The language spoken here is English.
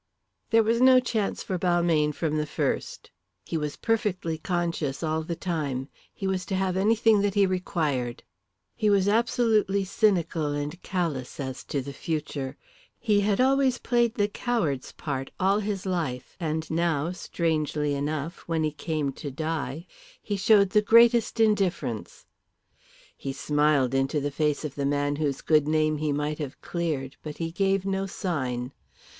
There was no chance for Balmayne from the first. He was perfectly conscious all the time; he was to have anything that he required. He was absolutely cynical and callous as to the future. He had always played the coward's part all his life, and now, strangely enough, when he came to die he showed the greatest indifference. He smiled into the face of the man whose good name he might have cleared, but he gave no sign.